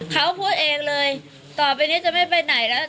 เขาพูดเองเลยต่อไปนี้จะไม่ไปไหนแล้ว